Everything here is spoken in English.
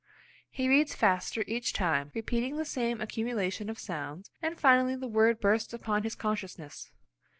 He reads faster each time, repeating the same accumulation of sounds, and finally the word bursts upon his consciousness.